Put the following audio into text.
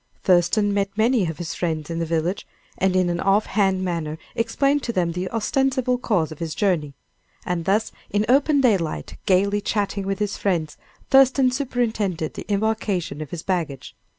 Thurston met many of his friends in the village, and in an off hand manner explained to them the ostensible cause of his journey. And thus, in open daylight, gayly chatting with his friends, Thurston superintended the embarkation of his baggage.